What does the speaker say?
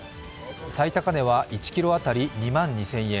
最高値は１ｋｇ当たり２万２０００円。